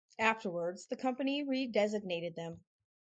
Afterwards, the company redesignated them.